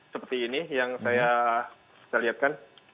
seperti ini yang saya lihatkan